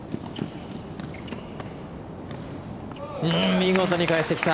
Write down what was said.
見事に返してきた。